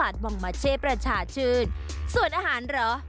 ส่วนอาหารเหรอ